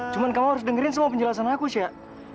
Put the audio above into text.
cuman kamu harus dengerin semua penjelasan aku syah